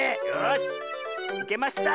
よし。